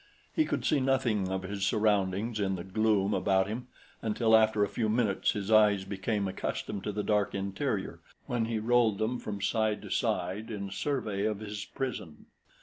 He could see nothing of his surroundings in the gloom about him until after a few minutes his eyes became accustomed to the dark interior when he rolled them from side to side in survey of his prison.